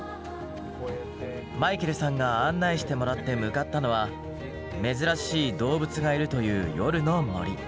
マイケルさんが案内してもらって向かったのは珍しい動物がいるという夜の森。